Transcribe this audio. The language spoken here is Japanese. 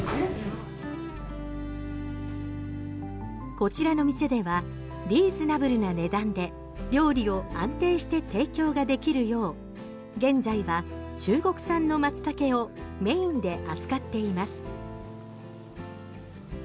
こちらの店ではリーズナブルな値段で料理を安定して提供ができるよう現在は中国産のマツタケをメインで扱っています。